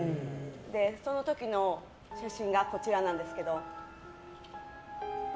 その時の写真がこちらなんですけど。